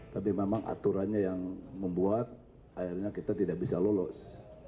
tapi memang aturannya yang membuat akhirnya kita tidak bisa lolos